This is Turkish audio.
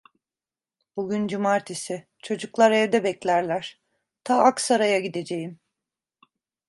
Bugün cumartesi, çocuklar evde beklerler… Ta Aksaray'a gideceğim…